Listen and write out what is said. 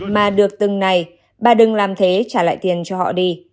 năm mươi mà được từng này bà đừng làm thế trả lại tiền cho họ đi